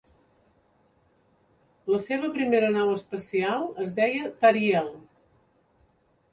La seva primera nau espacial es deia "Tariel".